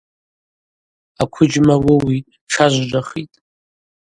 Аквыджьма уыуитӏ, тшажвжвахитӏ.